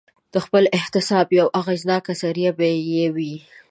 د خپل احتساب یوه اغېزناکه ذریعه به یې وي.